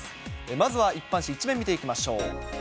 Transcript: まずは一般紙、１面見ていきましょう。